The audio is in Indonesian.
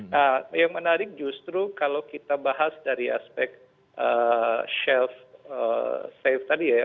nah yang menarik justru kalau kita bahas dari aspek self safe tadi ya